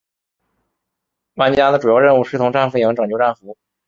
玩家的主要任务是从战俘营拯救战俘。